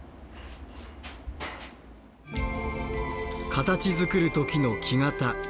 形づくる時の木型。